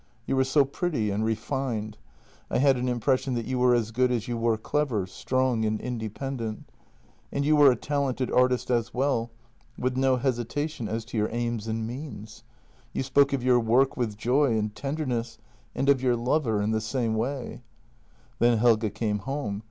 You were so pretty and refined, I had an impression that you were as good as you were clever, strong, and independent. And you were a talented artist as well, with no hesitation as to your aim and means. You spoke of your work with jov and tenderness and of your lover in the same way. JENNY 169 "Then Helge came home.